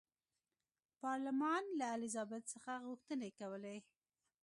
پارلمان له الیزابت څخه غوښتنې کولې.